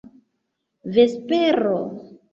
vespero